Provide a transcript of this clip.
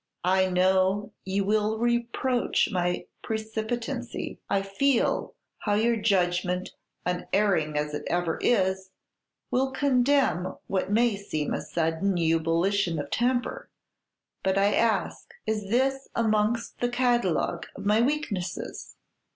"I know you will reproach my precipitancy; I feel how your judgment, unerring as it ever is, will condemn what may seem a sudden ebullition of temper; but, I ask, is this amongst the catalogue of my weaknesses?